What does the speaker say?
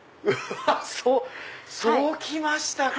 そう来ましたか！